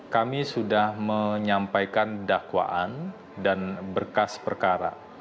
kami sudah menyampaikan dakwaan dan berkas perkara